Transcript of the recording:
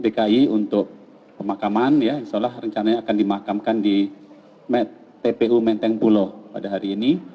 dki untuk pemakaman ya insya allah rencananya akan dimakamkan di tpu menteng pulo pada hari ini